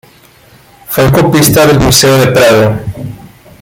Fue copista del Museo del Prado.